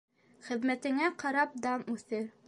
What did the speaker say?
Хеҙмәтеңә ҡарап дан үҫер.